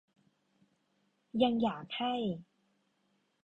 ยังอยากให้